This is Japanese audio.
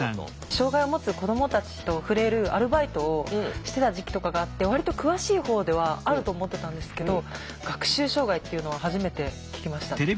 障害を持つ子どもたちと触れるアルバイトをしてた時期とかがあって割と詳しいほうではあると思ってたんですけど学習障害っていうのは初めて聞きましたね。